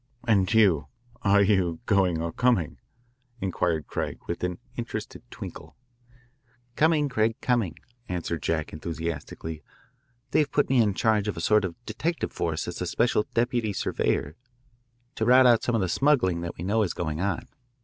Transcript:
"And you are you going or coming?" inquired Craig with an interested twinkle. "Coming, Craig, coming," answered Jack enthusiastically. "They've put me in charge of a sort of detective force as a special deputy surveyor to rout out some smuggling that we know is going on.